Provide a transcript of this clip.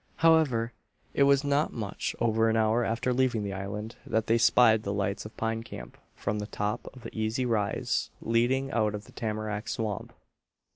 However, it was not much over an hour after leaving the island that they spied the lights of Pine Camp from the top of the easy rise leading out of the tamarack swamp.